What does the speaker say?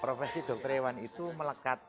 profesi dokter hewan itu melekat